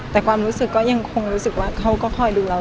แต่ความรู้สึกก็ยังคงรู้สึกว่าเขาก็คอยดูเรา